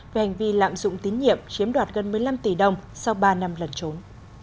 về hành vi lạm dụng tín nhiệm chiếm đoạt gần một mươi năm tỷ đồng sau ba năm lần trốn